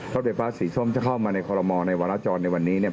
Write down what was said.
รถไฟฟ้าสีส้มจะเข้ามาในคอลโมในวาราจรในวันนี้เนี่ย